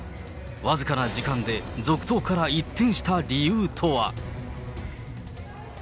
僅かな時間で続投から一転した理由とは。